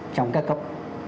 trong các cộng